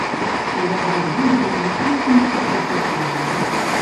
Albert Vergés és un artista nascut a Tortosa.